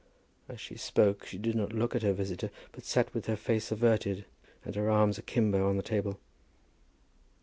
As she spoke she did not look at her visitor, but sat with her face averted and her arms akimbo on the table.